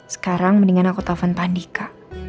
sekarang mendingan aku telfon pandika